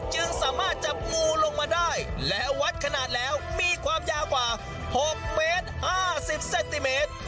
จึงสามารถจับงูลงมาได้และวัดขนาดแล้วมีความยาวกว่า๖เมตร๕๐เซนติเมตร